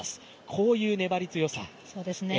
こういう粘り強さ。